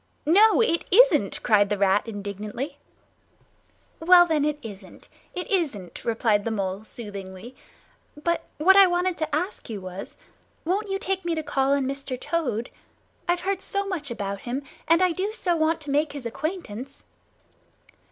"No, it isn't!" cried the Rat indignantly. "Well then, it isn't, it isn't," replied the Mole soothingly. "But what I wanted to ask you was, won't you take me to call on Mr. Toad? I've heard so much about him, and I do so want to make his acquaintance."